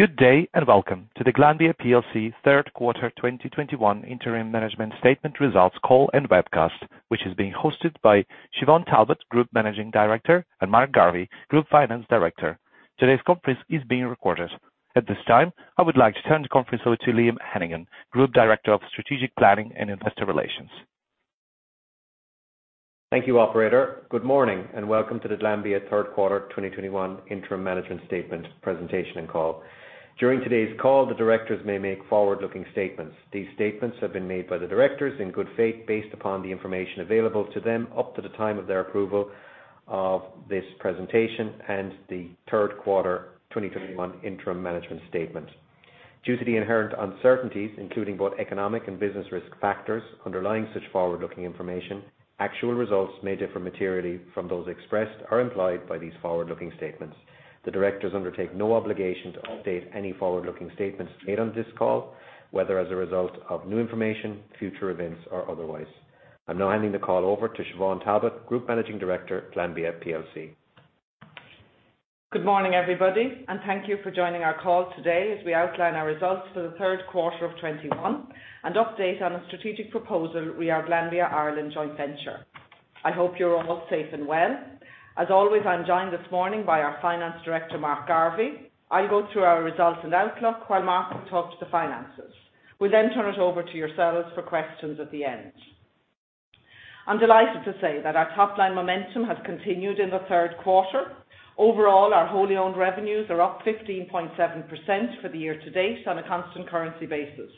Good day and welcome to the Glanbia plc third quarter 2021 interim management statement results call and webcast, which is being hosted by Siobhán Talbot, Group Managing Director, and Mark Garvey, Group Finance Director. Today's conference is being recorded. At this time, I would like to turn the conference over to Liam Hennigan, Group Director of Strategic Planning and Investor Relations. Thank you, operator. Good morning, and welcome to the Glanbia third quarter 2021 interim management statement presentation and call. During today's call, the directors may make forward-looking statements. These statements have been made by the directors in good faith, based upon the information available to them up to the time of their approval of this presentation and the third quarter 2021 interim management statement. Due to the inherent uncertainties, including both economic and business risk factors underlying such forward-looking information, actual results may differ materially from those expressed or implied by these forward-looking statements. The directors undertake no obligation to update any forward-looking statements made on this call, whether as a result of new information, future events, or otherwise. I'm now handing the call over to Siobhán Talbot, Group Managing Director, Glanbia plc. Good morning, everybody, and thank you for joining our call today as we outline our results for the third quarter of 2021 and update on a strategic proposal re our Glanbia Ireland joint venture. I hope you're all safe and well. As always, I'm joined this morning by our Finance Director, Mark Garvey. I'll go through our results and outlook while Mark will talk to the finances. We'll then turn it over to yourselves for questions at the end. I'm delighted to say that our top-line momentum has continued in the third quarter. Overall, our wholly owned revenues are up 15.7% for the year-to-date on a constant currency basis.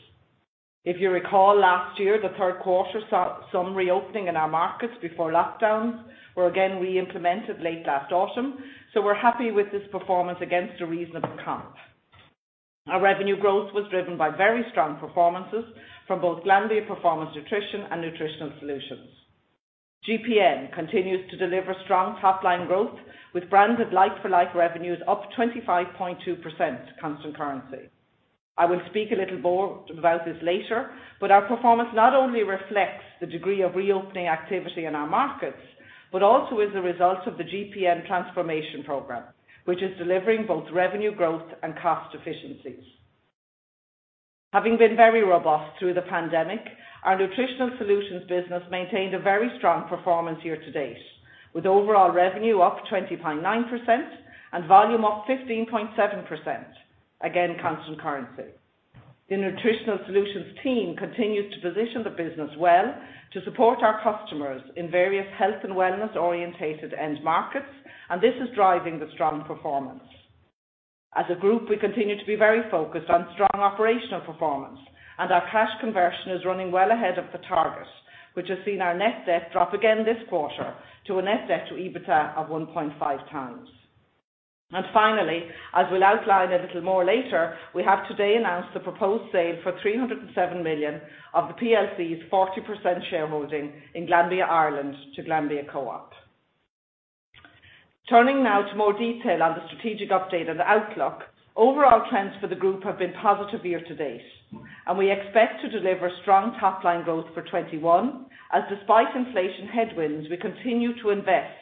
If you recall last year, the third quarter saw some reopening in our markets before lockdowns, where again we implemented late last autumn. We're happy with this performance against a reasonable comp. Our revenue growth was driven by very strong performances from both Glanbia Performance Nutrition and Nutritional Solutions. GPN continues to deliver strong top-line growth with brands of like-for-like revenues up 25.2% constant currency. I will speak a little more about this later, but our performance not only reflects the degree of reopening activity in our markets, but also is the result of the GPN transformation program, which is delivering both revenue growth and cost efficiencies. Having been very robust through the pandemic, our Nutritional Solutions business maintained a very strong performance year-to-date, with overall revenue up 20.9% and volume up 15.7%, again, constant currency. The Nutritional Solutions team continues to position the business well to support our customers in various health and wellness oriented end markets, and this is driving the strong performance. As a group, we continue to be very focused on strong operational performance, and our cash conversion is running well ahead of the target, which has seen our net debt drop again this quarter to a net debt to EBITDA of 1.5 times. Finally, as we'll outline a little more later, we have today announced the proposed sale for 307 million of the PLC's 40% shareholding in Glanbia Ireland to Glanbia Co-op. Turning now to more detail on the strategic update and outlook. Overall trends for the group have been positive year-to-date, and we expect to deliver strong top line growth for 2021, as despite inflation headwinds, we continue to invest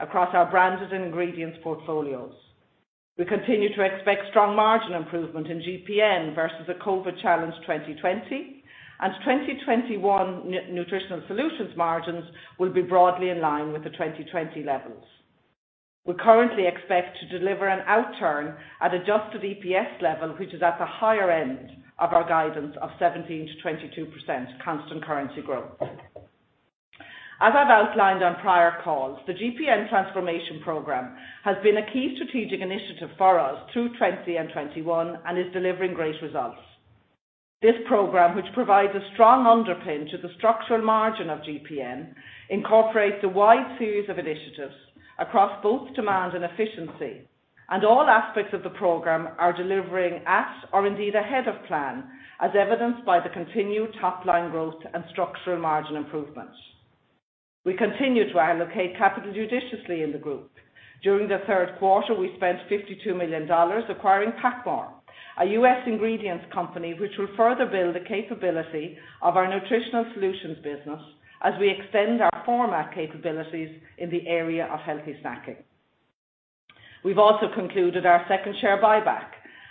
across our branded ingredients portfolios. We continue to expect strong margin improvement in GPN versus a COVID-challenged 2020, and 2021 GN Nutritional Solutions margins will be broadly in line with the 2020 levels. We currently expect to deliver an outturn at adjusted EPS level, which is at the higher end of our guidance of 17%-22% constant currency growth. As I've outlined on prior calls, the GPN transformation program has been a key strategic initiative for us through 2020 and 2021 and is delivering great results. This program, which provides a strong underpin to the structural margin of GPN, incorporates a wide series of initiatives across both demand and efficiency, and all aspects of the program are delivering at or indeed ahead of plan, as evidenced by the continued top-line growth and structural margin improvements. We continue to allocate capital judiciously in the group. During the third quarter, we spent $52 million acquiring PacMoore, a U.S. ingredients company which will further build the capability of our Nutritional Solutions business as we extend our format capabilities in the area of healthy snacking. We've also concluded our second share buyback,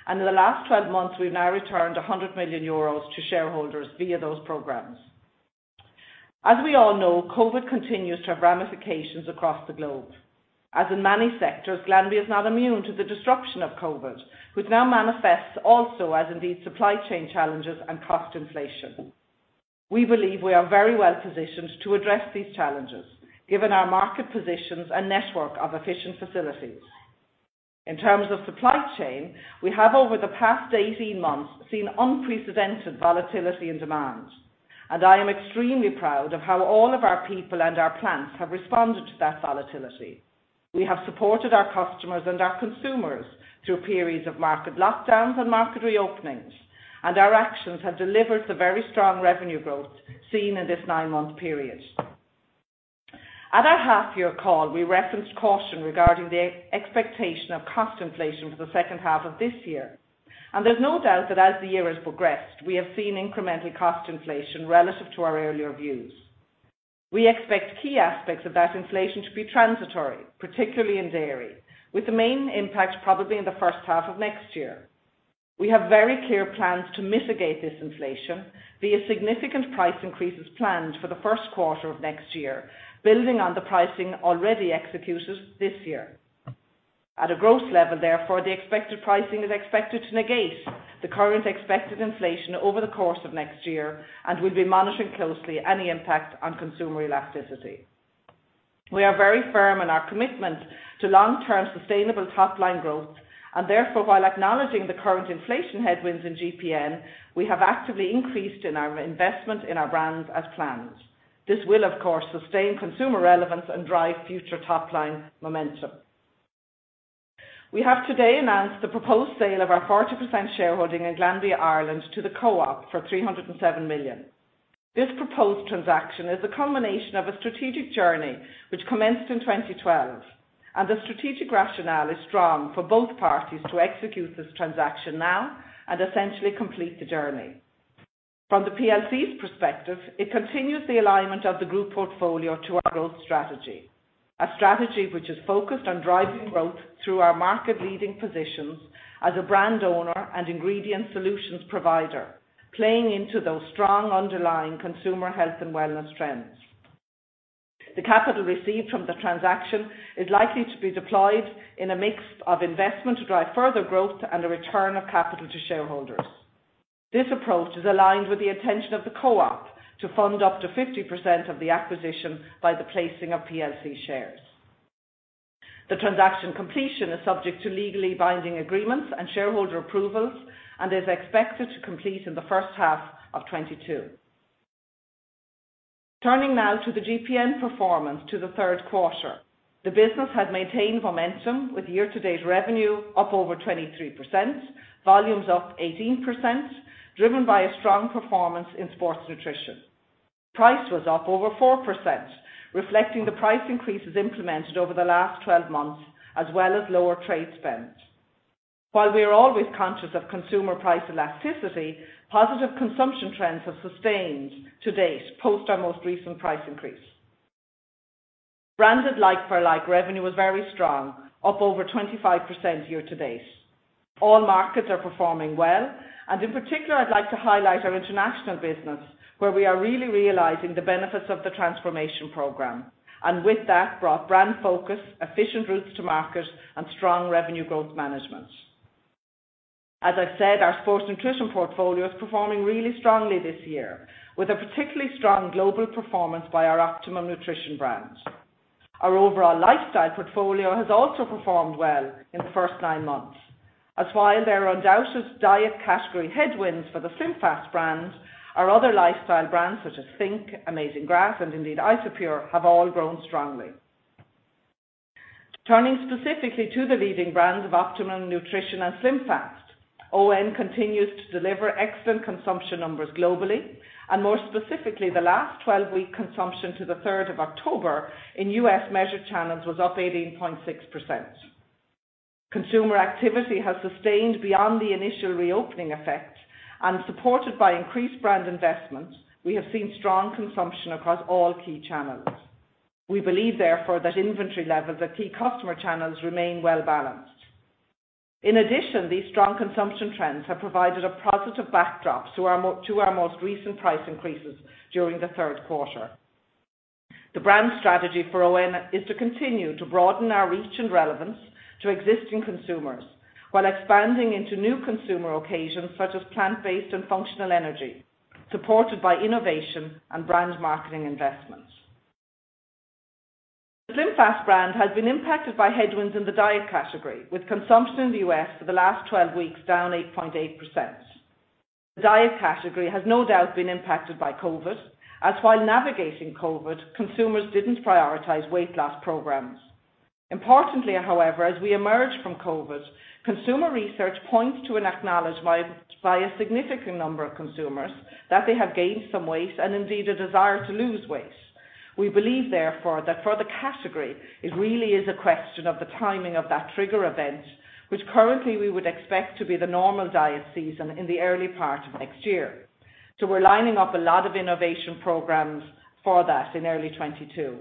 and in the last 12 months, we've now returned 100 million euros to shareholders via those programs. As we all know, COVID continues to have ramifications across the globe. As in many sectors, Glanbia is not immune to the disruption of COVID, which now manifests also as indeed supply chain challenges and cost inflation. We believe we are very well positioned to address these challenges given our market positions and network of efficient facilities. In terms of supply chain, we have over the past 18 months seen unprecedented volatility in demand, and I am extremely proud of how all of our people and our plants have responded to that volatility. We have supported our customers and our consumers through periods of market lockdowns and market reopenings, and our actions have delivered the very strong revenue growth seen in this 9-month period. At our half year call, we referenced caution regarding the expectation of cost inflation for the second half of this year. There's no doubt that as the year has progressed, we have seen incremental cost inflation relative to our earlier views. We expect key aspects of that inflation to be transitory, particularly in dairy, with the main impact probably in the first half of next year. We have very clear plans to mitigate this inflation via significant price increases planned for the first quarter of next year, building on the pricing already executed this year. At a growth level therefore, the expected pricing is expected to negate the current expected inflation over the course of next year, and we'll be monitoring closely any impact on consumer elasticity. We are very firm in our commitment to long-term sustainable top-line growth, and therefore, while acknowledging the current inflation headwinds in GPN, we have actively increased in our investment in our brands as planned. This will, of course, sustain consumer relevance and drive future top-line momentum. We have today announced the proposed sale of our 40% shareholding in Glanbia Ireland to the Co-op for 307 million. This proposed transaction is a culmination of a strategic journey which commenced in 2012, and the strategic rationale is strong for both parties to execute this transaction now and essentially complete the journey. From the PLC's perspective, it continues the alignment of the group portfolio to our growth strategy. A strategy which is focused on driving growth through our market-leading positions as a brand owner and ingredient solutions provider, playing into those strong underlying consumer health and wellness trends. The capital received from the transaction is likely to be deployed in a mix of investment to drive further growth and a return of capital to shareholders. This approach is aligned with the intention of the Co-op to fund up to 50% of the acquisition by the placing of PLC shares. The transaction completion is subject to legally binding agreements and shareholder approvals and is expected to complete in the first half of 2022. Turning now to the GPN performance in the third quarter. The business has maintained momentum with year-to-date revenue up over 23%, volumes up 18%, driven by a strong performance in sports nutrition. Price was up over 4%, reflecting the price increases implemented over the last 12 months, as well as lower trade spend. While we are always conscious of consumer price elasticity, positive consumption trends have sustained to date post our most recent price increase. Branded like for like revenue was very strong, up over 25% year-to-date. All markets are performing well, and in particular, I'd like to highlight our international business, where we are really realizing the benefits of the transformation program. With that, brought brand focus, efficient routes to market, and strong revenue growth management. As I said, our sports nutrition portfolio is performing really strongly this year, with a particularly strong global performance by our Optimum Nutrition brand. Our overall lifestyle portfolio has also performed well in the first nine months, as while there are undoubted diet category headwinds for the SlimFast brand, our other lifestyle brands such as think!, Amazing Grass, and indeed Isopure, have all grown strongly. Turning specifically to the leading brands of Optimum Nutrition and SlimFast. ON continues to deliver excellent consumption numbers globally, and more specifically, the last 12-week consumption to the third of October in U.S. measured channels was up 18.6%. Consumer activity has sustained beyond the initial reopening effect and supported by increased brand investment, we have seen strong consumption across all key channels. We believe therefore that inventory levels at key customer channels remain well balanced. In addition, these strong consumption trends have provided a positive backdrop to our most recent price increases during the third quarter. The brand strategy for ON is to continue to broaden our reach and relevance to existing consumers while expanding into new consumer occasions such as plant-based and functional energy, supported by innovation and brand marketing investments. The SlimFast brand has been impacted by headwinds in the diet category, with consumption in the U.S. for the last 12 weeks down 8.8%. The diet category has no doubt been impacted by COVID, as while navigating COVID, consumers didn't prioritize weight loss programs. Importantly, however, as we emerge from COVID, consumer research points to an acknowledgement by a significant number of consumers that they have gained some weight and indeed a desire to lose weight. We believe therefore that for the category, it really is a question of the timing of that trigger event, which currently we would expect to be the normal diet season in the early part of next year. We're lining up a lot of innovation programs for that in early 2022.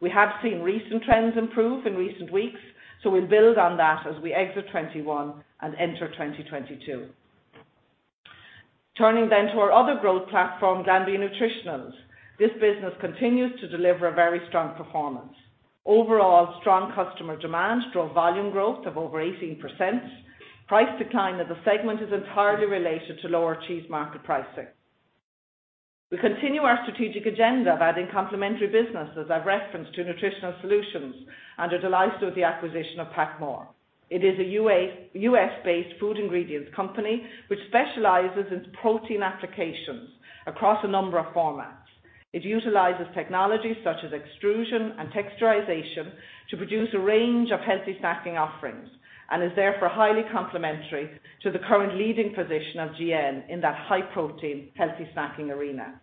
We have seen recent trends improve in recent weeks, so we'll build on that as we exit 2021 and enter 2022. Turning to our other growth platform, Glanbia Nutritionals. This business continues to deliver a very strong performance. Overall, strong customer demand drove volume growth of over 18%. Price decline of the segment is entirely related to lower cheese market pricing. We continue our strategic agenda of adding complementary businesses. I've referred to Nutritional Solutions and are delighted with the acquisition of PacMoore. It is a U.S.-based food ingredients company which specializes in protein applications across a number of formats. It utilizes technologies such as extrusion and texturization to produce a range of healthy snacking offerings and is therefore highly complementary to the current leading position of GN in that high-protein, healthy snacking arena.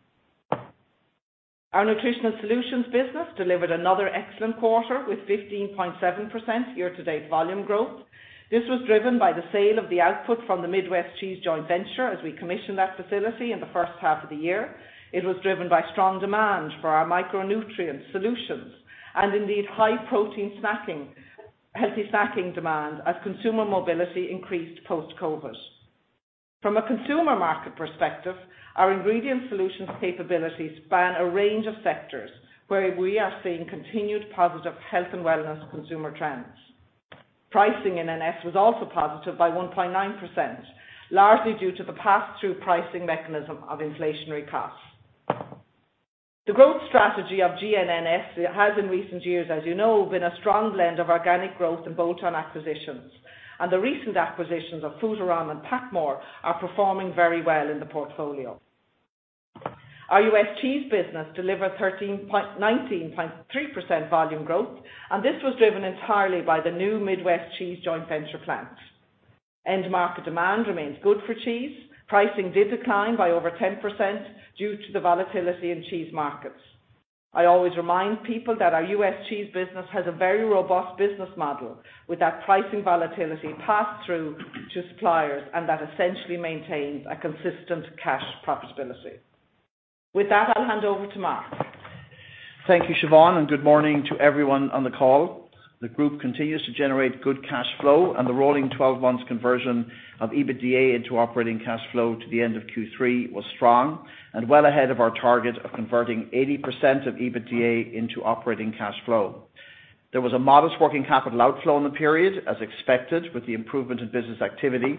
Our Nutritional Solutions business delivered another excellent quarter with 15.7% year-to-date volume growth. This was driven by the sale of the output from the Midwest Cheese joint venture as we commissioned that facility in the first half of the year. It was driven by strong demand for our micronutrient solutions and indeed high-protein snacking, healthy snacking demand as consumer mobility increased post-COVID. From a consumer market perspective, our ingredient solutions capabilities span a range of sectors where we are seeing continued positive health and wellness consumer trends. Pricing in NS was also positive by 1.9%, largely due to the pass-through pricing mechanism of inflationary costs. The growth strategy of GN NS has in recent years, as you know, been a strong blend of organic growth and bolt-on acquisitions, and the recent acquisitions of Foodarom and PacMoore are performing very well in the portfolio. Our U.S. cheese business delivered 19.3% volume growth, and this was driven entirely by the new Midwest Cheese joint venture plant. End market demand remains good for cheese. Pricing did decline by over 10% due to the volatility in cheese markets. I always remind people that our U.S. cheese business has a very robust business model, with that pricing volatility passed through to suppliers, and that essentially maintains a consistent cash profitability. With that, I'll hand over to Mark. Thank you, Siobhán, and good morning to everyone on the call. The group continues to generate good cash flow and the rolling twelve months conversion of EBITDA into operating cash flow to the end of Q3 was strong and well ahead of our target of converting 80% of EBITDA into operating cash flow. There was a modest working capital outflow in the period, as expected, with the improvement in business activity.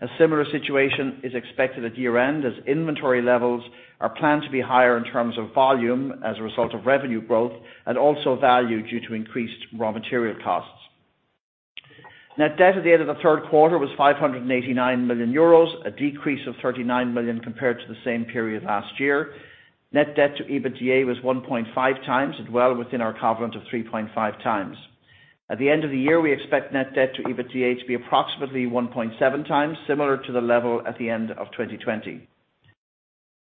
A similar situation is expected at year-end as inventory levels are planned to be higher in terms of volume as a result of revenue growth and also value due to increased raw material costs. Net debt at the end of the third quarter was 589 million euros, a decrease of 39 million compared to the same period last year. Net debt to EBITDA was 1.5 times and well within our covenant of 3.5 times. At the end of the year, we expect net debt to EBITDA to be approximately 1.7 times, similar to the level at the end of 2020.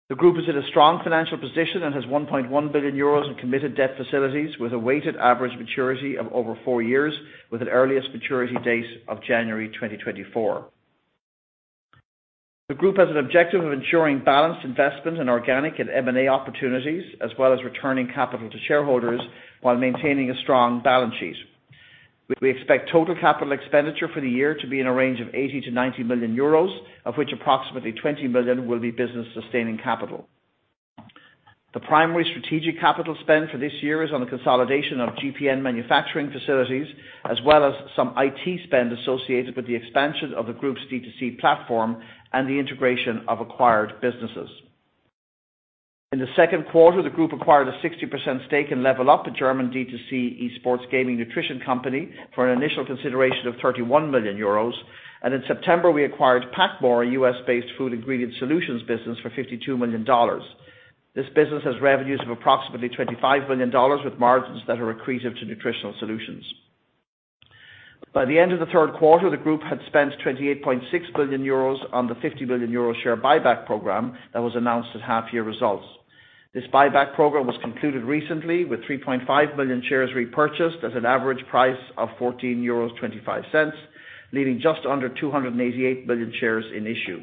The group is in a strong financial position and has 1.1 billion euros in committed debt facilities with a weighted average maturity of over four years with an earliest maturity date of January 2024. The group has an objective of ensuring balanced investment in organic and M&A opportunities, as well as returning capital to shareholders while maintaining a strong balance sheet. We expect total capital expenditure for the year to be in a range of 80 million-90 million euros, of which approximately 20 million will be business-sustaining capital. The primary strategic capital spend for this year is on the consolidation of GPN manufacturing facilities, as well as some IT spend associated with the expansion of the group's D2C platform and the integration of acquired businesses. In the second quarter, the group acquired a 60% stake in LevlUp, a German D2C eSports gaming nutrition company, for an initial consideration of 31 million euros. In September, we acquired PacMoore, a U.S.-based food ingredient solutions business, for $52 million. This business has revenues of approximately $25 million with margins that are accretive to Nutritional Solutions. By the end of the third quarter, the group had spent 28.6 million euros on the 50 million euro share buyback program that was announced at half-year results. This buyback program was concluded recently with 3.5 million shares repurchased at an average price of 14.25 euros, leaving just under 288 million shares in issue.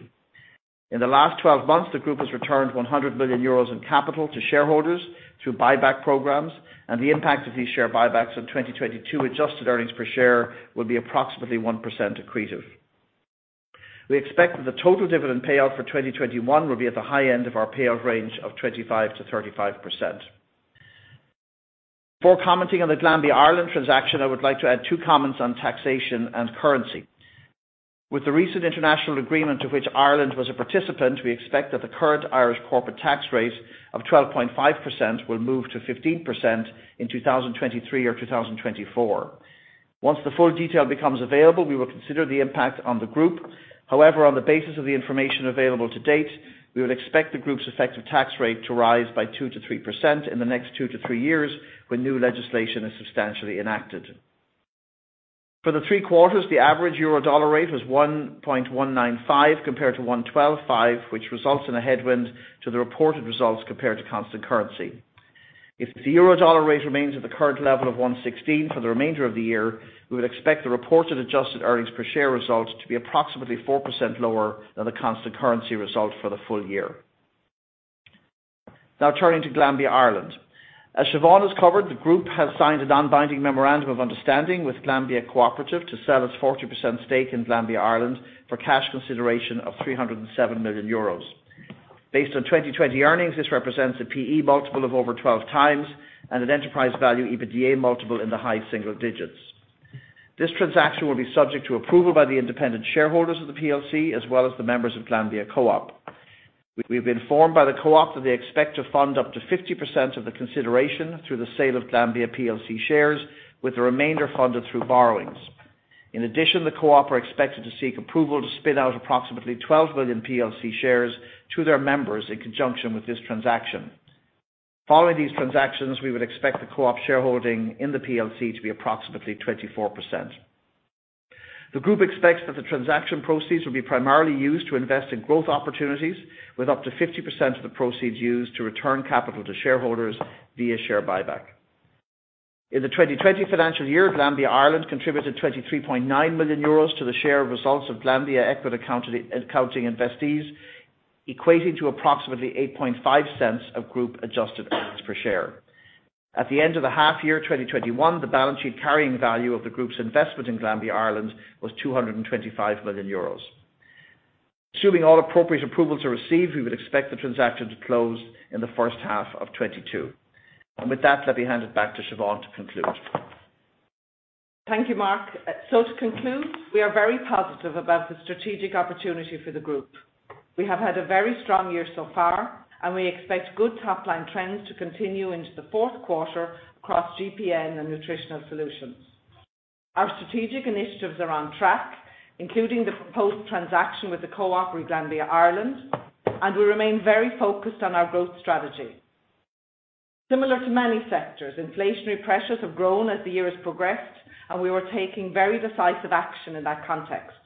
In the last 12 months, the group has returned 100 million euros in capital to shareholders through buyback programs, and the impact of these share buybacks on 2022 adjusted earnings per share will be approximately 1% accretive. We expect that the total dividend payout for 2021 will be at the high end of our payout range of 25%-35%. Before commenting on the Glanbia Ireland transaction, I would like to add two comments on taxation and currency. With the recent international agreement of which Ireland was a participant, we expect that the current Irish corporate tax rate of 12.5% will move to 15% in 2023 or 2024. Once the full detail becomes available, we will consider the impact on the group. However, on the basis of the information available to date, we would expect the group's effective tax rate to rise by 2%-3% in the next 2-3 years when new legislation is substantially enacted. For the 3 quarters, the average euro dollar rate was 1.195 compared to 1.125, which results in a headwind to the reported results compared to constant currency. If the euro dollar rate remains at the current level of 1.16 for the remainder of the year, we would expect the reported adjusted earnings per share results to be approximately 4% lower than the constant currency result for the full year. Now turning to Glanbia Ireland. As Siobhán has covered, the group has signed a non-binding memorandum of understanding with Glanbia Co-operative to sell its 40% stake in Glanbia Ireland for cash consideration of 307 million euros. Based on 2020 earnings, this represents a P/E multiple of over 12x and an enterprise value EBITDA multiple in the high single digits. This transaction will be subject to approval by the independent shareholders of the PLC as well as the members of Glanbia Co-op. We've been informed by the co-op that they expect to fund up to 50% of the consideration through the sale of Glanbia plc shares with the remainder funded through borrowings. In addition, the co-op are expected to seek approval to spin out approximately 12 million plc shares to their members in conjunction with this transaction. Following these transactions, we would expect the co-op shareholding in the plc to be approximately 24%. The group expects that the transaction proceeds will be primarily used to invest in growth opportunities, with up to 50% of the proceeds used to return capital to shareholders via share buyback. In the 2020 financial year, Glanbia Ireland contributed 23.9 million euros to the share of results of Glanbia equity accounted investees, equating to approximately 8.5 cents of group adjusted earnings per share. At the end of the half year 2021, the balance sheet carrying value of the group's investment in Glanbia Ireland was 225 million euros. Assuming all appropriate approvals are received, we would expect the transaction to close in the first half of 2022. With that, let me hand it back to Siobhán to conclude. Thank you, Mark. To conclude, we are very positive about the strategic opportunity for the group. We have had a very strong year so far, and we expect good top line trends to continue into the fourth quarter across GPN and Nutritional Solutions. Our strategic initiatives are on track, including the proposed transaction with the co-op in Glanbia Ireland, and we remain very focused on our growth strategy. Similar to many sectors, inflationary pressures have grown as the year has progressed, and we were taking very decisive action in that context.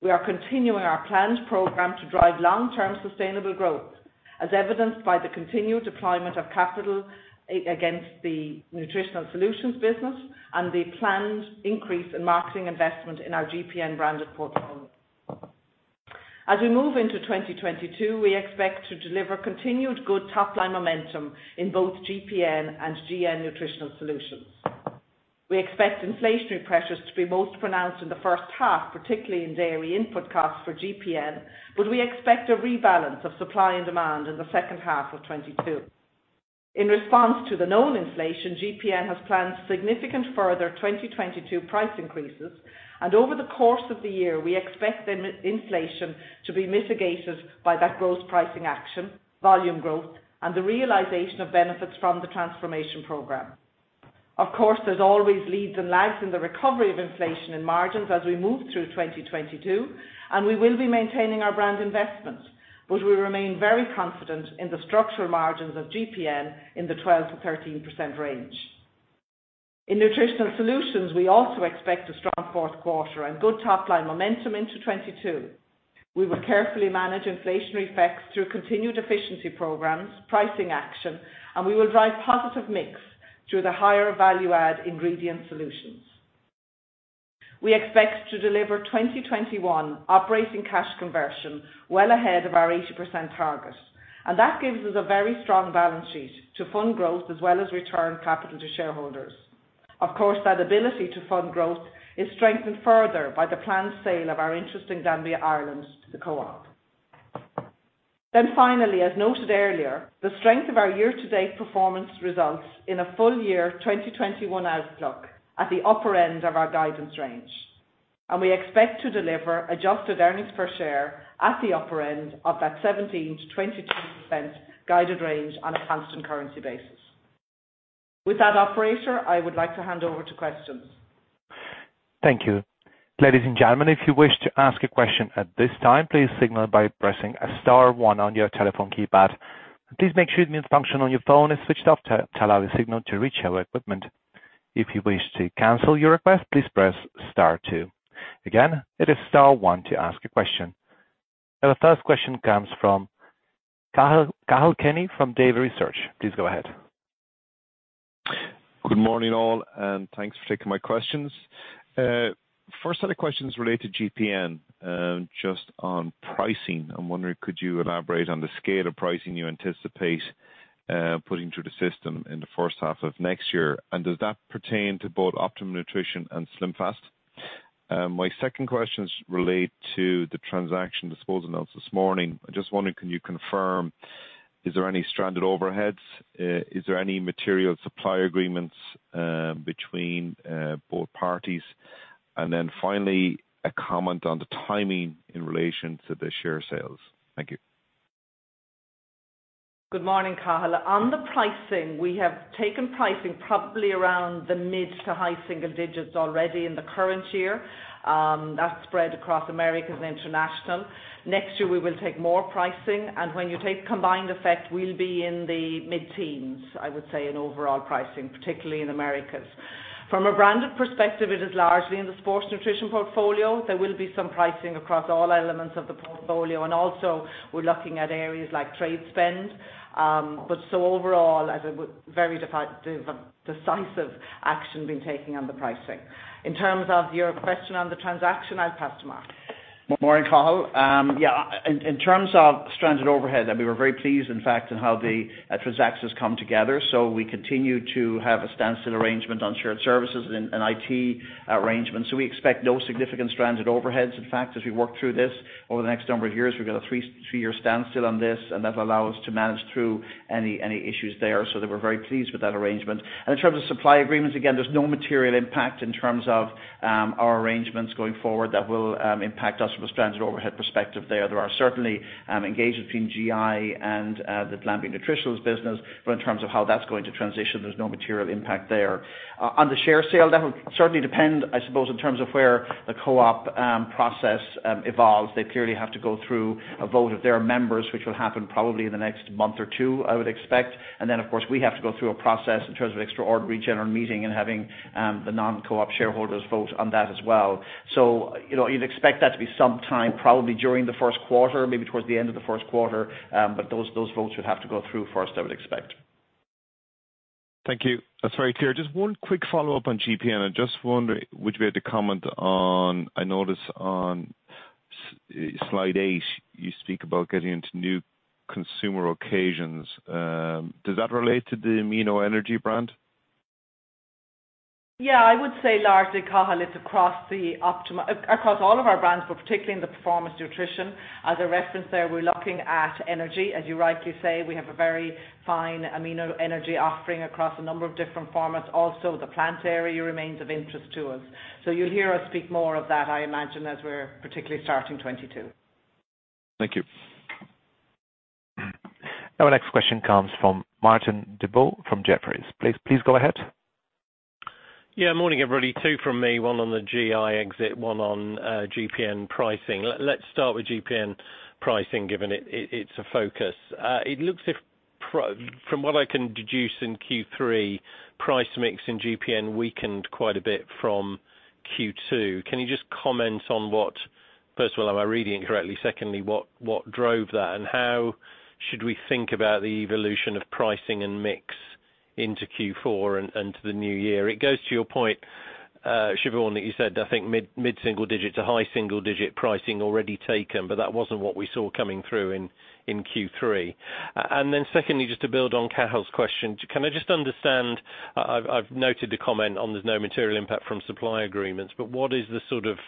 We are continuing our planned program to drive long-term sustainable growth, as evidenced by the continued deployment of capital against the Nutritional Solutions business and the planned increase in marketing investment in our GPN branded portfolio. As we move into 2022, we expect to deliver continued good top line momentum in both GPN and GN Nutritional Solutions. We expect inflationary pressures to be most pronounced in the first half, particularly in dairy input costs for GPN, but we expect a rebalance of supply and demand in the second half of 2022. In response to the known inflation, GPN has planned significant further 2022 price increases. Over the course of the year, we expect the margin inflation to be mitigated by that growth pricing action, volume growth, and the realization of benefits from the transformation program. Of course, there's always leads and lags in the recovery of inflation in margins as we move through 2022, and we will be maintaining our brand investment. We remain very confident in the structural margins of GPN in the 12%-13% range. In Nutritional Solutions, we also expect a strong fourth quarter and good top line momentum into 2022. We will carefully manage inflationary effects through continued efficiency programs, pricing action, and we will drive positive mix through the higher value add ingredient solutions. We expect to deliver 2021 operating cash conversion well ahead of our 80% target. That gives us a very strong balance sheet to fund growth as well as return capital to shareholders. Of course, that ability to fund growth is strengthened further by the planned sale of our interest in Glanbia Ireland to the co-op. Finally, as noted earlier, the strength of our year-to-date performance results in a full year 2021 outlook at the upper end of our guidance range. We expect to deliver adjusted earnings per share at the upper end of that 17%-22% guided range on a constant currency basis. With that, operator, I would like to hand over to questions. Thank you. Ladies and gentlemen, if you wish to ask a question at this time, please signal by pressing star one on your telephone keypad. Please make sure the mute function on your phone is switched off to allow the signal to reach our equipment. If you wish to cancel your request, please press star two. Again, it is star one to ask a question. The first question comes from Cathal Kenny from Davy Research. Please go ahead. Good morning, all, and thanks for taking my questions. First set of questions relate to GPN, just on pricing. I'm wondering, could you elaborate on the scale of pricing you anticipate putting through the system in the first half of next year? And does that pertain to both Optimum Nutrition and SlimFast? My second questions relate to the transaction disposal announced this morning. I'm just wondering, can you confirm, is there any stranded overheads? Is there any material supply agreements between both parties? And then finally, a comment on the timing in relation to the share sales. Thank you. Good morning, Cathal. On the pricing, we have taken pricing probably around the mid to high single digits already in the current year, that's spread across Americas and International. Next year, we will take more pricing. When you take combined effect, we'll be in the mid-teens, I would say, in overall pricing, particularly in Americas. From a branded perspective, it is largely in the sports nutrition portfolio. There will be some pricing across all elements of the portfolio, and also we're looking at areas like trade spend. Overall, very decisive action being taken on the pricing. In terms of your question on the transaction, I'll pass to Mark. Morning, Cathal. Yeah, in terms of stranded overhead, we were very pleased, in fact, in how the transaction has come together. We continue to have a standstill arrangement on shared services and IT arrangements. We expect no significant stranded overheads. In fact, as we work through this over the next number of years, we've got a three-year standstill on this, and that will allow us to manage through any issues there. We're very pleased with that arrangement. In terms of supply agreements, again, there's no material impact in terms of our arrangements going forward that will impact us from a stranded overhead perspective there. There are certainly engagements between GI and the Glanbia Nutritionals business, but in terms of how that's going to transition, there's no material impact there. On the share sale, that would certainly depend, I suppose, in terms of where the co-op process evolves. They clearly have to go through a vote of their members, which will happen probably in the next month or two, I would expect. Of course, we have to go through a process in terms of extraordinary general meeting and having the non-co-op shareholders vote on that as well. You know, you'd expect that to be some time probably during the first quarter, maybe towards the end of the first quarter. Those votes would have to go through first, I would expect. Thank you. That's very clear. Just one quick follow-up on GPN. I notice on slide 8 you speak about getting into new consumer occasions. Does that relate to the AMINO.O. ENERGY® brand? Yeah, I would say largely, Cahal, it's across all of our brands, but particularly in the Performance Nutrition. As I referenced there, we're looking at energy. As you rightly say, we have a very fine AMINO.O. ENERGY® offering across a number of different formats. Also, the plant area remains of interest to us. You'll hear us speak more of that, I imagine, as we're particularly starting 2022. Thank you. Our next question comes from Martin Deboo from Jefferies. Please go ahead. Yeah, morning, everybody. Two from me, one on the GI exit, one on GPN pricing. Let's start with GPN pricing, given it's a focus. From what I can deduce in Q3, price mix in GPN weakened quite a bit from Q2. Can you just comment? First of all, am I reading it correctly? Secondly, what drove that, and how should we think about the evolution of pricing and mix into Q4 and to the new year? It goes to your point, Siobhan, that you said, I think mid-single digit to high single digit pricing already taken, but that wasn't what we saw coming through in Q3. Secondly, just to build on Cahal's question, can I just understand, I've noted the comment on there's no material impact from supply agreements, but what is the sort of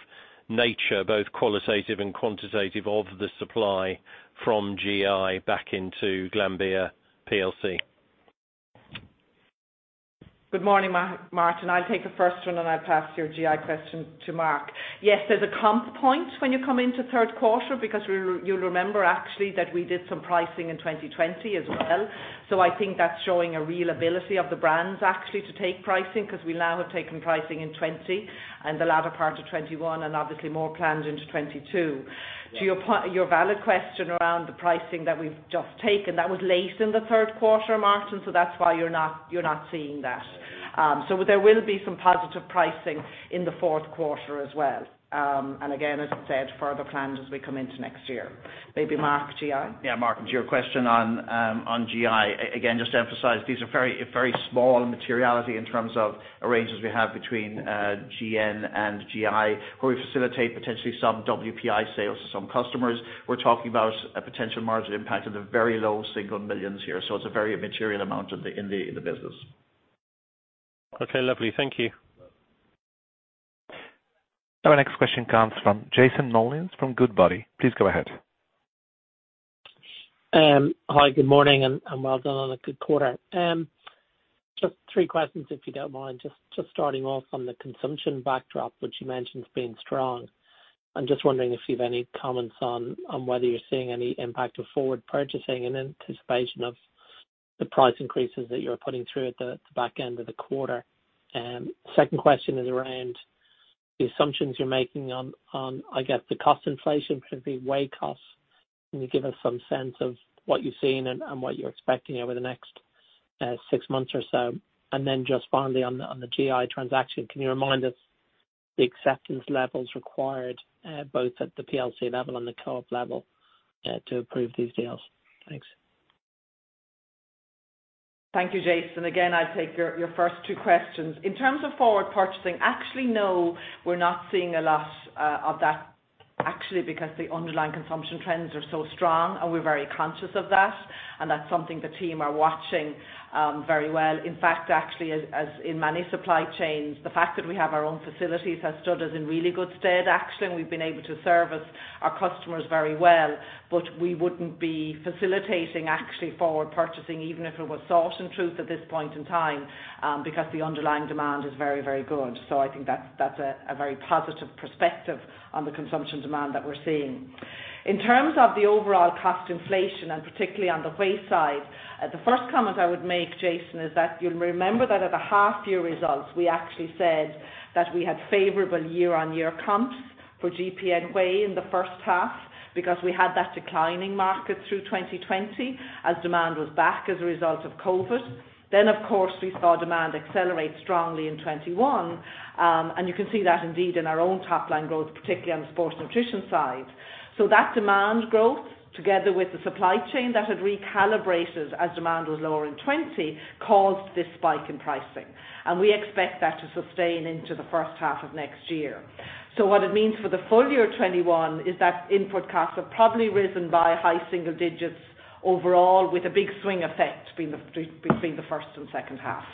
nature, both qualitative and quantitative, of the supply from GI back into Glanbia plc? Good morning, Martin. I'll take the first one, and I'll pass your GI question to Mark. Yes, there's a comp point when you come into third quarter because, you'll remember actually that we did some pricing in 2020 as well. I think that's showing a real ability of the brands actually to take pricing because we now have taken pricing in 2020 and the latter part of 2021 and obviously more planned into 2022. To your valid question around the pricing that we've just taken, that was late in the third quarter, Martin, so that's why you're not seeing that. There will be some positive pricing in the fourth quarter as well. And again, as I said, further plans as we come into next year. Maybe Mark, GI? Yeah, Martin, to your question on GI, again, just to emphasize, these are very small materiality in terms of arrangements we have between GN and GI, where we facilitate potentially some WPI sales to some customers. We're talking about a potential margin impact of the very low single millions here. It's a very immaterial amount in the business. Okay, lovely. Thank you. Our next question comes from Jason Molins from Goodbody. Please go ahead. Hi, good morning, and well done on a good quarter. Just three questions, if you don't mind. Just starting off on the consumption backdrop, which you mentioned as being strong. I'm just wondering if you have any comments on whether you're seeing any impact of forward purchasing in anticipation of the price increases that you're putting through at the back end of the quarter. Second question is around the assumptions you're making on, I guess, the cost inflation, particularly whey costs. Can you give us some sense of what you're seeing and what you're expecting over the next six months or so? Just finally on the GI transaction, can you remind us the acceptance levels required both at the plc level and the co-op level to approve these deals? Thanks. Thank you, Jason. Again, I'll take your first two questions. In terms of forward purchasing, actually, no, we're not seeing a lot of that actually because the underlying consumption trends are so strong, and we're very conscious of that, and that's something the team are watching very well. In fact, actually as in many supply chains, the fact that we have our own facilities has stood us in really good stead actually, and we've been able to service our customers very well. But we wouldn't be facilitating actually forward purchasing even if it was sought in truth at this point in time because the underlying demand is very, very good. I think that's a very positive perspective on the consumption demand that we're seeing. In terms of the overall cost inflation, and particularly on the whey side, the first comment I would make, Jason, is that you'll remember that at the half year results, we actually said that we had favorable year-on-year comps for GPN Whey in the first half because we had that declining market through 2020 as demand was back as a result of COVID. Of course, we saw demand accelerate strongly in 2021, and you can see that indeed in our own top-line growth, particularly on the sports nutrition side. That demand growth, together with the supply chain that had recalibrated as demand was lower in 2020, caused this spike in pricing, and we expect that to sustain into the first half of next year. What it means for the full year 2021 is that input costs have probably risen by high single digits % overall with a big swing effect between the first and second half.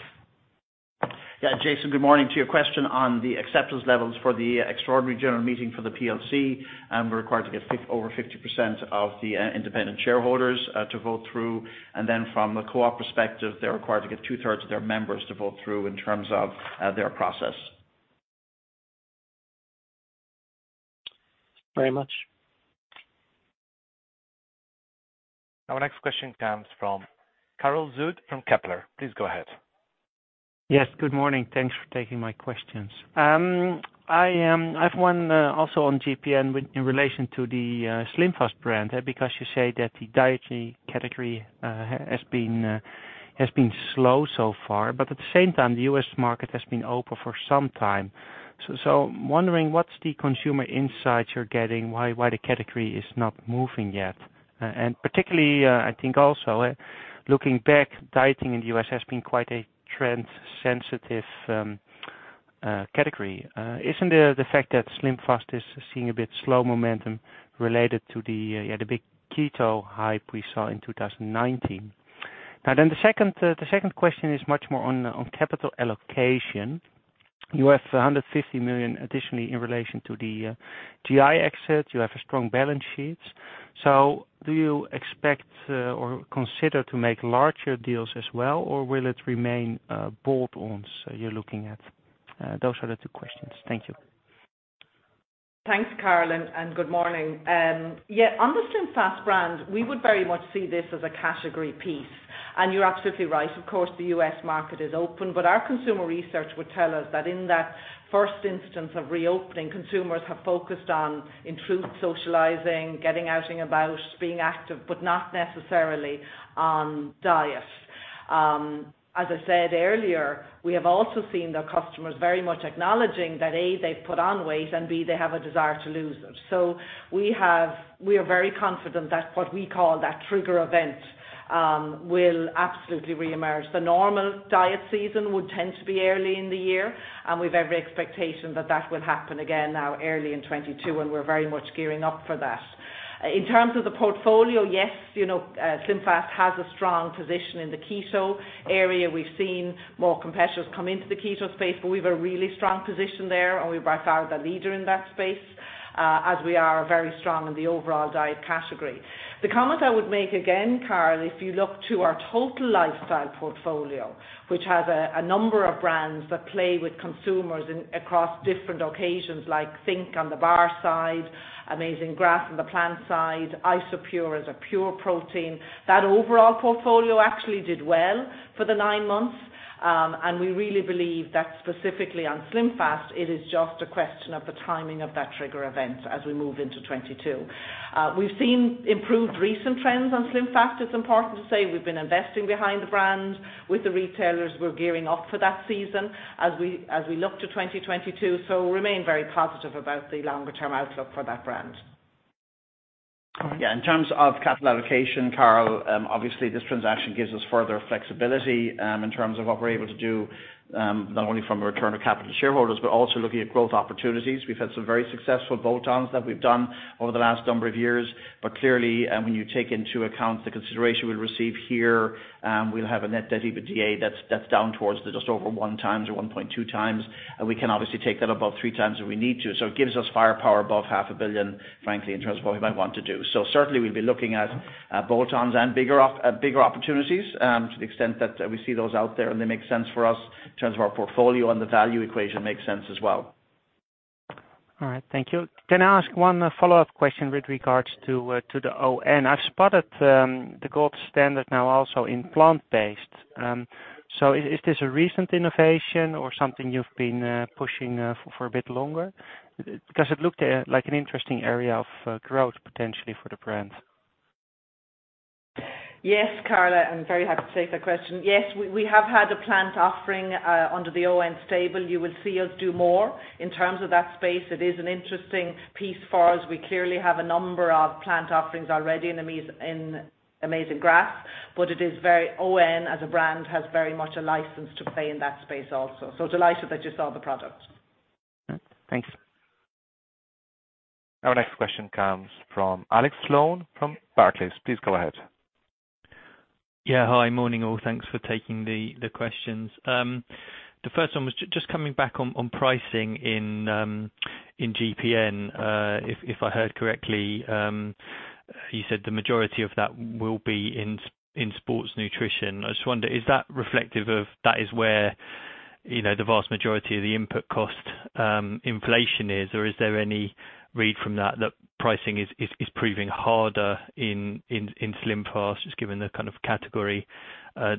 Yeah, Jason, good morning. To your question on the acceptance levels for the extraordinary general meeting for the plc, we're required to get over 50% of the independent shareholders to vote through. From the Co-op perspective, they're required to get two-thirds of their members to vote through in terms of their process. Very much. Our next question comes from Karel Zoete from Kepler. Please go ahead. Yes. Good morning. Thanks for taking my questions. I have one also on GPN in relation to the SlimFast brand because you say that the dietary category has been slow so far. At the same time, the U.S. market has been open for some time. Wondering what the consumer insights you're getting are, why the category is not moving yet. Particularly, I think also looking back, dieting in the U.S. has been quite a trend sensitive category. Isn't the fact that SlimFast is seeing a bit slow momentum related to the big keto hype we saw in 2019? Now the second question is much more on capital allocation. You have 150 million additionally in relation to the GI exits. You have a strong balance sheet. Do you expect or consider to make larger deals as well, or will it remain bolt-ons you're looking at? Those are the two questions. Thank you. Thanks, Carl, and good morning. On the SlimFast brand, we would very much see this as a category piece. You're absolutely right. Of course, the U.S. market is open, but our consumer research would tell us that in that first instance of reopening, consumers have focused on, in truth, socializing, getting out and about, being active, but not necessarily on diet. As I said earlier, we have also seen the customers very much acknowledging that, A, they've put on weight, and B, they have a desire to lose it. We are very confident that what we call that trigger event will absolutely reemerge. The normal diet season would tend to be early in the year, and we've every expectation that that will happen again now, early in 2022, and we're very much gearing up for that. In terms of the portfolio, yes, you know, SlimFast has a strong position in the keto area. We've seen more competitors come into the keto space, but we have a really strong position there, and we are the leader in that space, as we are very strong in the overall diet category. The comment I would make again, Carl, if you look to our total lifestyle portfolio, which has a number of brands that play with consumers in, across different occasions, like think! on the bar side, Amazing Grass on the plant side, Isopure is a pure protein. That overall portfolio actually did well for the nine months, and we really believe that specifically on SlimFast, it is just a question of the timing of that trigger event as we move into 2022. We've seen improved recent trends on SlimFast. It's important to say we've been investing behind the brand with the retailers. We're gearing up for that season as we look to 2022, so remain very positive about the longer term outlook for that brand. All right. Yeah, in terms of capital allocation, Carl, obviously this transaction gives us further flexibility, in terms of what we're able to do, not only from a return of capital to shareholders, but also looking at growth opportunities. We've had some very successful bolt-ons that we've done over the last number of years. Clearly, when you take into account the consideration we'll receive here, we'll have a net debt to EBITDA that's down towards just over 1x or 1.2x, and we can obviously take that above 3x if we need to. It gives us firepower above EUR .05 billion, frankly, in terms of what we might want to do. Certainly we'll be looking at bolt-ons and bigger opportunities, to the extent that we see those out there and they make sense for us in terms of our portfolio and the value equation makes sense as well. All right. Thank you. Can I ask one follow-up question with regards to the ON. I've spotted the Gold Standard now also in plant-based. Is this a recent innovation or something you've been pushing for a bit longer? Because it looked like an interesting area of growth potentially for the brand. Yes, Carl. I'm very happy to take that question. Yes, we have had a plant offering under the ON stable. You will see us do more in terms of that space. It is an interesting piece for us. We clearly have a number of plant offerings already in Amazing Grass. It is very ON as a brand, has very much a license to play in that space also. Delighted that you saw the product. Thanks. Our next question comes from Alex Sloane from Barclays. Please go ahead. Hi. Morning, all. Thanks for taking the questions. The first one was just coming back on pricing in GPN. If I heard correctly, you said the majority of that will be in sports nutrition. I just wonder, is that reflective of where, you know, the vast majority of the input cost inflation is, or is there any read from that pricing is proving harder in SlimFast, just given the kind of category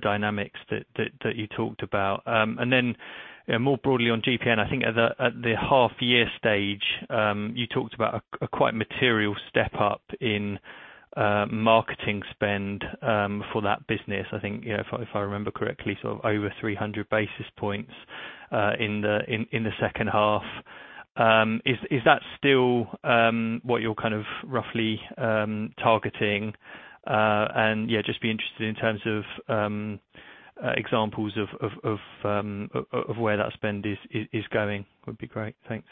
dynamics that you talked about. More broadly on GPN, I think at the half year stage, you talked about a quite material step up in marketing spend for that business. I think, you know, if I remember correctly, sort of over 300 basis points in the second half. Is that still what you're kind of roughly targeting? Yeah, just be interested in terms of examples of where that spend is going would be great. Thanks.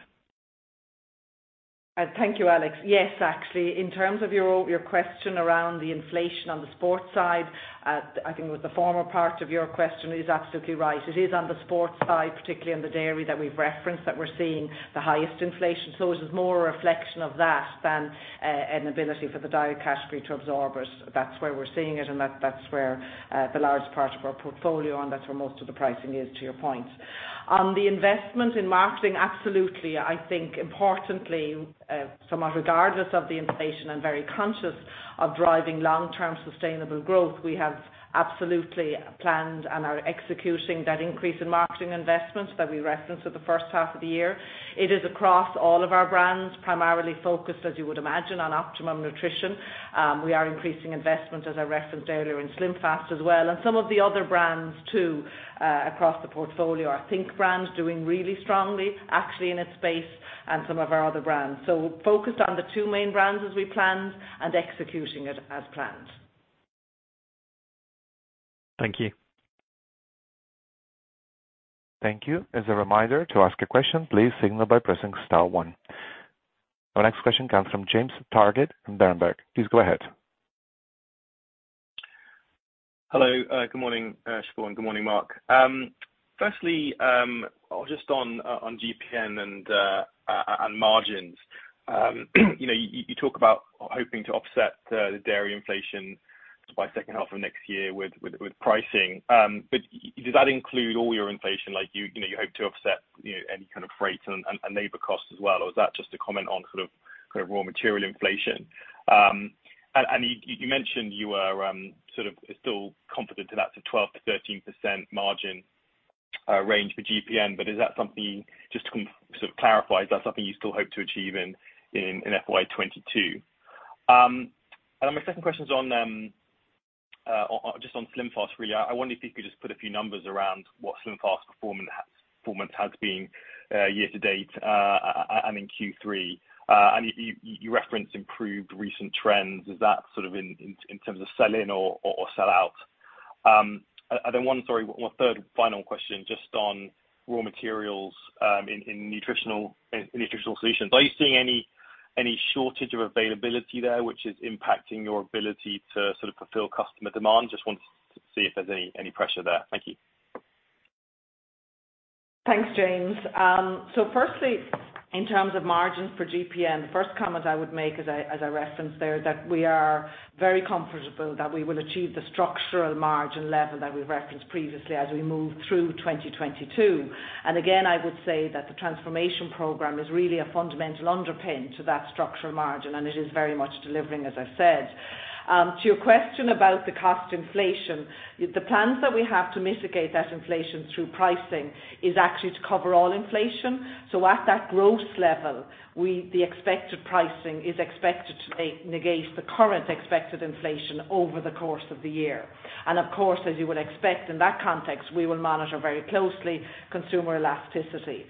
Thank you, Alex. Yes, actually, in terms of your question around the inflation on the sports side, I think what the former part of your question is absolutely right. It is on the sports side, particularly in the dairy that we've referenced, that we're seeing the highest inflation. It is more a reflection of that than an ability for the diet category to absorb it. That's where we're seeing it, and that's where the largest part of our portfolio and that's where most of the pricing is, to your point. On the investment in marketing, absolutely. I think importantly, somewhat regardless of the inflation and very conscious of driving long term sustainable growth. We have absolutely planned and are executing that increase in marketing investments that we referenced for the first half of the year. It is across all of our brands, primarily focused, as you would imagine, on Optimum Nutrition. We are increasing investment, as I referenced earlier, in SlimFast as well, and some of the other brands too, across the portfolio. Our think! brand doing really strongly, actually in its space and some of our other brands. Focused on the two main brands as we planned and executing it as planned. Thank you. Thank you. As a reminder, to ask a question, please signal by pressing star one. Our next question comes from James Targett from Berenberg. Please go ahead. Hello, good morning, Siobhán. Good morning, Mark. Firstly, just on GPN and on margins. You know, you talk about hoping to offset the dairy inflation by second half of next year with pricing. But does that include all your inflation? Like you hope to offset any kind of freight and labor costs as well, or is that just a comment on sort of, kind of raw material inflation? And you mentioned you were sort of still confident in that 12%-13% margin range for GPN, but is that something, just to sort of clarify, is that something you still hope to achieve in FY 2022? And my second question is just on SlimFast, really. I wonder if you could just put a few numbers around what SlimFast performance has been year to date, and in Q3. You referenced improved recent trends. Is that sort of in terms of sell-in or sell-out? Then one third final question, just on raw materials, in Nutritional Solutions. Are you seeing any shortage of availability there which is impacting your ability to sort of fulfill customer demand? Just want to see if there's any pressure there. Thank you. Thanks, James. Firstly, in terms of margins for GPN, the first comment I would make as I referenced there, that we are very comfortable that we will achieve the structural margin level that we referenced previously as we move through 2022. Again, I would say that the transformation program is really a fundamental underpin to that structural margin, and it is very much delivering, as I've said. To your question about the cost inflation, the plans that we have to mitigate that inflation through pricing is actually to cover all inflation. At that gross level, we, the expected pricing is expected to negate the current expected inflation over the course of the year. Of course, as you would expect in that context, we will manage very closely consumer elasticity.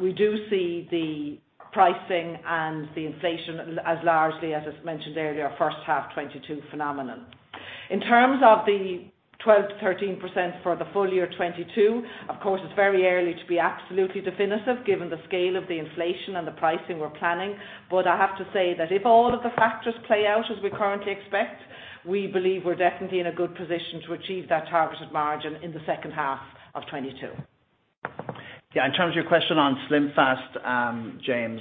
We do see the pricing and the inflation as largely, as I mentioned earlier, a first half 2022 phenomenon. In terms of the 12%-13% for the full year 2022, of course, it's very early to be absolutely definitive given the scale of the inflation and the pricing we're planning. I have to say that if all of the factors play out as we currently expect, we believe we're definitely in a good position to achieve that targeted margin in the second half of 2022. Yeah, in terms of your question on SlimFast, James,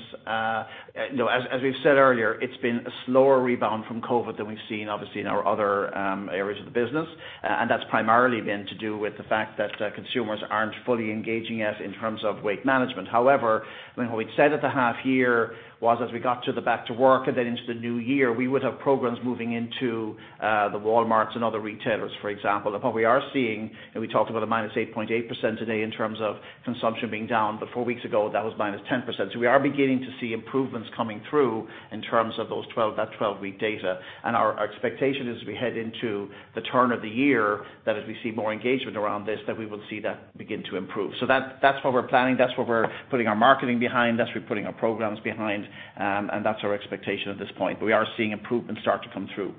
you know, as we've said earlier, it's been a slower rebound from COVID than we've seen, obviously, in our other areas of the business. That's primarily been to do with the fact that consumers aren't fully engaging yet in terms of weight management. However, what we said at the half year was as we got to the back to work and then into the new year, we would have programs moving into the Walmart and other retailers, for example. What we are seeing, we talked about a -8.8% today in terms of consumption being down, but 4 weeks ago, that was -10%. We are beginning to see improvements coming through in terms of those 12-week data. Our expectation as we head into the turn of the year, that as we see more engagement around this, that we will see that begin to improve. That, that's what we're planning. That's what we're putting our marketing behind, that's what we're putting our programs behind, and that's our expectation at this point. We are seeing improvements start to come through.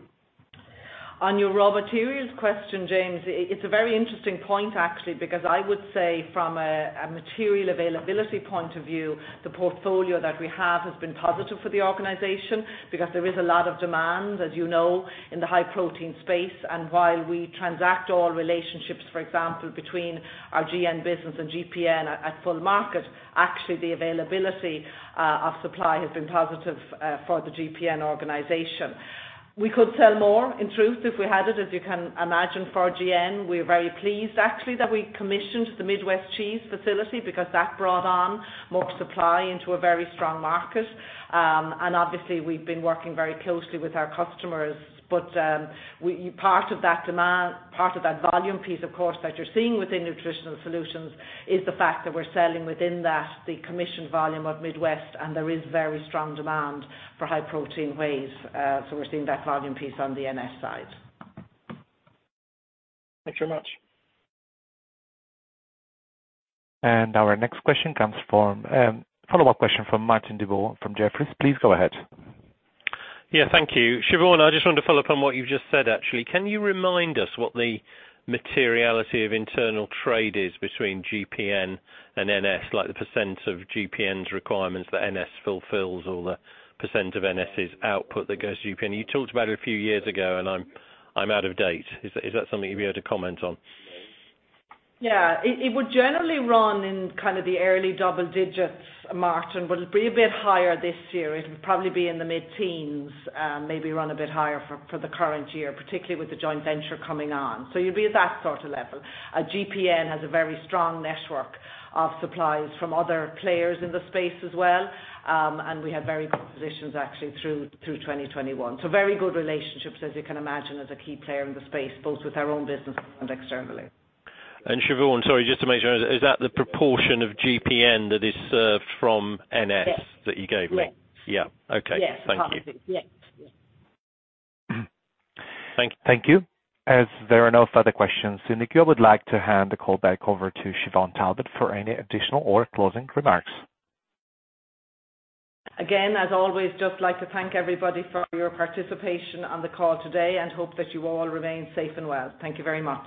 On your raw materials question, James, it's a very interesting point, actually, because I would say from a material availability point of view, the portfolio that we have has been positive for the organization because there is a lot of demand, as you know, in the high protein space. While we transact all relationships, for example, between our GN business and GPN at full market, actually the availability of supply has been positive for the GPN organization. We could sell more, in truth, if we had it, as you can imagine, for GN. We're very pleased, actually, that we commissioned the Midwest Cheese facility because that brought on more supply into a very strong market. Obviously, we've been working very closely with our customers. Part of that demand, part of that volume piece, of course, that you're seeing within Nutritional Solutions is the fact that we're selling within that, the commissioned volume of MWC, and there is very strong demand for high protein whey. We're seeing that volume piece on the NS side. Thanks very much. Our next question comes from, follow-up question from Martin Deboo from Jefferies. Please go ahead. Yeah, thank you. Siobhán, I just want to follow up on what you've just said, actually. Can you remind us what the materiality of internal trade is between GPN and NS, like the % of GPN's requirements that NS fulfills or the % of NS's output that goes to GPN? You talked about it a few years ago, and I'm out of date. Is that something you'd be able to comment on? Yeah. It would generally run in kind of the early double digits, Martin, but it'll be a bit higher this year. It'll probably be in the mid-teens, maybe run a bit higher for the current year, particularly with the joint venture coming on. You'd be at that sorta level. GPN has a very strong network of suppliers from other players in the space as well. We have very good positions actually through 2021. Very good relationships, as you can imagine, as a key player in the space, both with our own business and externally. Siobhán, sorry, just to make sure. Is that the proportion of GPN that is served from NS? Yes. that you gave me? Yes. Yeah. Okay. Yes. Thank you. Yes. Thank you. As there are no further questions in the queue, I would like to hand the call back over to Siobhán Talbot for any additional or closing remarks. Again, as always, just like to thank everybody for your participation on the call today and hope that you all remain safe and well. Thank you very much.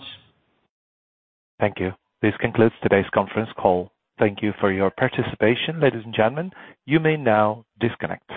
Thank you. This concludes today's conference call. Thank you for your participation. Ladies and gentlemen, you may now disconnect.